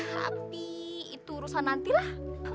tapi itu urusan nantilah